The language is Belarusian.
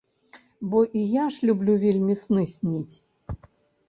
Бо і я ж люблю вельмі сны сніць.